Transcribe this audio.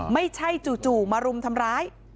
ไม่ใช่จู่มารุมทำร้าย